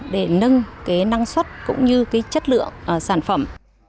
để nâng năng suất cũng như chất lượng sản phẩm